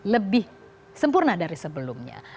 lebih sempurna dari sebelumnya